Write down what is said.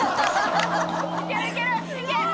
いけるいける！